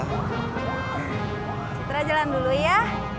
citra jalan dulu ya